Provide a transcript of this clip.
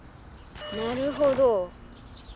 なるほど。